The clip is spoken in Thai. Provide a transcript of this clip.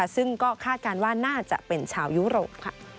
ซึ่งก็คาดการณ์ว่าน่าจะเป็นชาวยุโรป